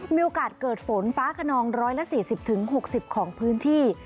มีโอกาสเกิดฝนฟ้าขนอง๑๔๐๖๐ของพื้นที่